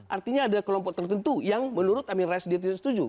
artinya ada kelompok tertentu yang menurut amin rais dia tidak setuju